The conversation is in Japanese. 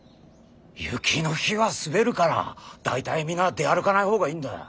雪の日は滑るから大体皆出歩かない方がいいんだよ。